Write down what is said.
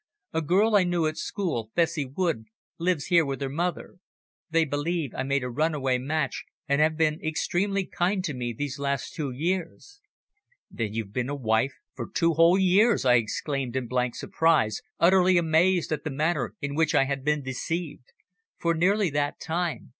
A girl I knew at school, Bessie Wood, lives here with her mother. They believe I made a runaway match, and have been extremely kind to me these last two years." "Then you've been a wife for two whole years!" I exclaimed in blank surprise, utterly amazed at the manner in which I had been deceived. "For nearly that time.